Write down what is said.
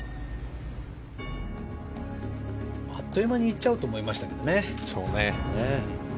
あっという間にいっちゃうと思いましたけどね。